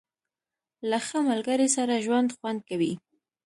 • له ښه ملګري سره ژوند خوند کوي.